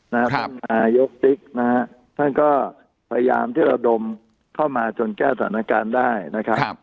ท่านนายกติ๊กนะฮะท่านก็พยายามที่ระดมเข้ามาจนแก้สถานการณ์ได้นะครับ